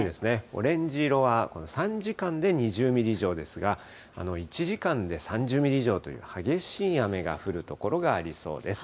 オレンジ色は３時間で２０ミリ以上ですが、１時間で３０ミリ以上という、激しい雨が降る所がありそうです。